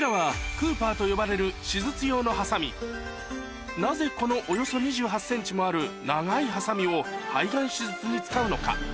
こちらはなぜこのおよそ２８ｃｍもある長いハサミを肺がん手術に使うのか？